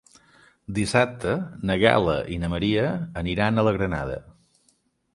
Dissabte na Gal·la i na Maria aniran a la Granada.